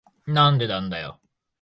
なんでなんだよ。